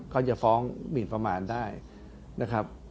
ก็จะฟ้องหมินประมาณได้นะครับ